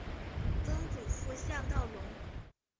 曾祖父向道隆。